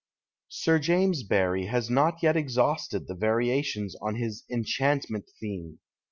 Sir James Barrie has not yet exhausted the varia tions on his " enchantment " theme.